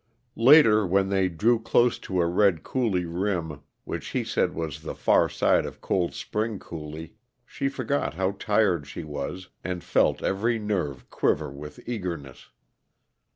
Later, when they drew close to a red coulee rim which he said was the far side of Cold Spring Coulee, she forgot how tired she was, and felt every nerve quiver with eagerness.